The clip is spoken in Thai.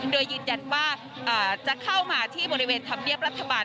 โดยยืนยันว่าจะเข้ามาที่บริเวณธรรมเนียบรัฐบาล